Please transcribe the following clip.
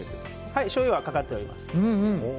はい、しょうゆはかかっております。